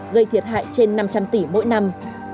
gây thiệt hại trên năm trăm linh tỷ mỗi năm